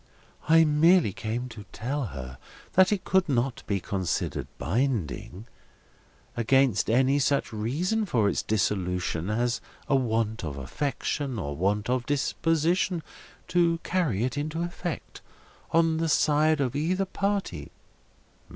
"I merely came to tell her that it could not be considered binding, against any such reason for its dissolution as a want of affection, or want of disposition to carry it into effect, on the side of either party."